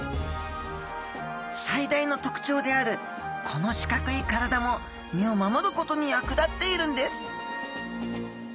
最大の特徴であるこの四角い体も身を守ることに役立っているんです！